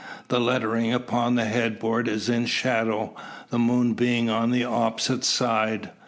The lettering upon the head board is in shadow, the moon being on the opposite side.